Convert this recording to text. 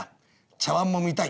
茶碗も見たい」。